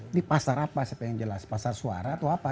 ini pasar apa saya ingin jelas pasar suara atau apa